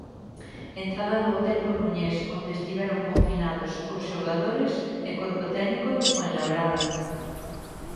Entrada do hotel coruñés onde estiveron confinados os xogadores e corpo técnico do Fuenlabrada.